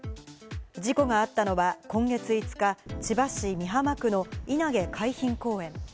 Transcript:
事故があったのは今月５日、千葉市美浜区の稲毛海浜公園。